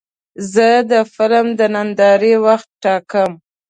زه د فلم د نندارې وخت ټاکم.